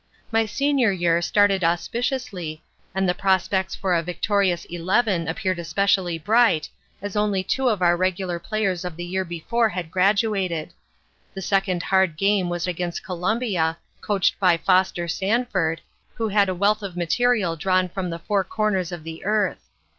"My senior year started auspiciously and the prospects for a victorious eleven appeared especially bright, as only two of the regular players of the year before had graduated. The first hard game was against Columbia, coached by Foster Sanford, who had a wealth of material drawn from the four corners of the earth.